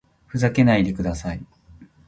ふざけないでください